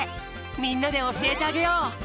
みんなでおしえてあげよう！